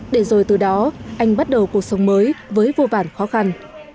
để rồi từ đó anh bắt đầu cuộc sống mới với vô vàn khó khăn